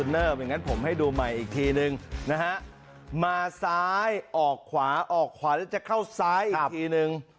อย่างนั้นผมให้ดูใหม่อีกทีนึงนะฮะมาซ้ายออกขวาออกขวาแล้วจะเข้าซ้ายอีกทีนึง